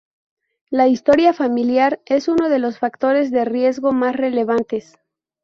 La historia familiar es uno de los factores de riesgo más relevantes.